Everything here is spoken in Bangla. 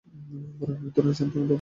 বরং একধরনের শান্তি অনুভব করলেন।